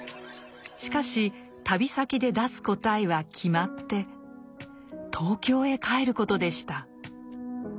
しかし旅先で出す答えは決まって東京へ帰ることでした。